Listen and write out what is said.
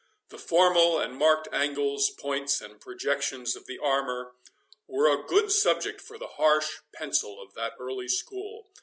The formal and marked angles, points and projections of the armour, were a good subject for the harsh pencil of that early school.